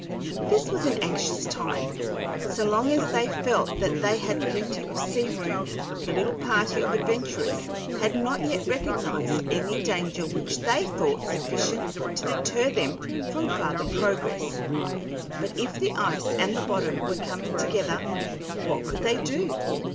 This was an anxious time. So long as they had felt that they had plenty of sea room the little party of adventurers had not yet recognized any danger which they thought sufficient to deter them from farther progress; but if the ice and the bottom were coming together, what could they do?